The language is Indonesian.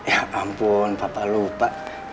ya ampun papa lupa